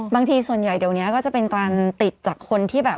บางทีส่วนใหญ่เดี๋ยวนี้ก็จะเป็นการติดจากคนที่แบบ